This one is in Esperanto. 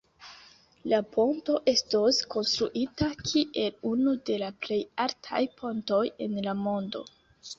La ponto estos konstruita kiel unu de la plej altaj pontoj en la mondo.